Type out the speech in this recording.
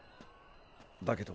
だけど。